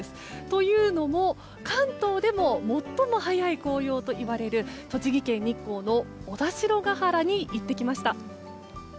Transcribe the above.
というのも、関東でも最も早い紅葉といわれる栃木県日光の小田代ヶ原に行ってきました。